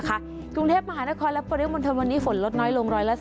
กรุงเทพมหานครและประเทศมนตรมวันนี้ฝนลดน้อยลงร้อยละ๑๐